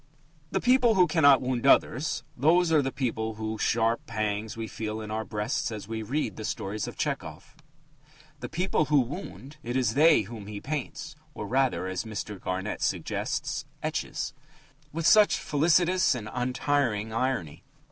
The people who cannot wound others those are the people whose sharp pangs we feel in our breasts as we read the stories of Tchehov. The people who wound it is they whom he paints (or, rather, as Mr. Garnett suggests, etches) with such felicitous and untiring irony.